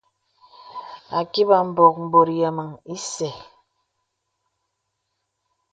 Ākibà mbɔ̀ŋ bòt yàmaŋ ìsɛ̂.